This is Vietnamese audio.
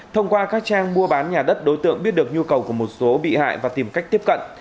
thông qua các trang mua bán nhà đất đối tượng biết được nhu cầu của một số bị hại và tìm cách tiếp cận